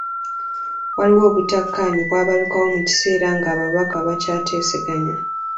Waliwo obutakkaanya obwabalukawo mu kiseera nga ababaka bakyateeseganya.